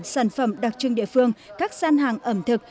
sản phẩm đặc trưng địa phương các gian hàng ẩm thực